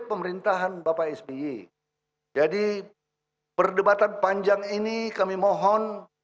pemerintahan bapak sby jadi perdebatan panjang ini kami mohon